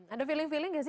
ada feeling feeling gak sih